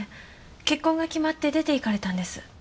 結婚が決まって出ていかれたんです。